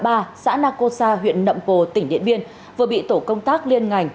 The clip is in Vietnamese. già ba xã nako sanh huyện nậm pồ tỉnh điện biên vừa bị tổ công tác liên ngành